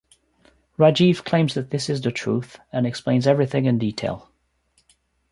Rajeev claims that this is the truth and explains everything in detail.